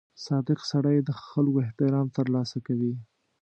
• صادق سړی د خلکو احترام ترلاسه کوي.